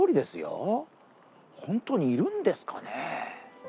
本当にいるんですかね。